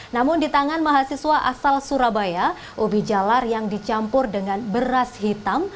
namun di tangan mahasiswa asal surabaya ubi jalar yang dicampur dengan beras hitam